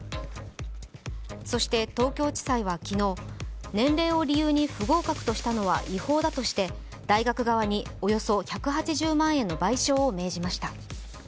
そして東京地裁は昨日、年齢を理由に不合格としたのは違法だとして、大学側におよそ１８０万円の賠償を命じました。